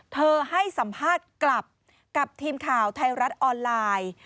ให้สัมภาษณ์กลับกับทีมข่าวไทยรัฐออนไลน์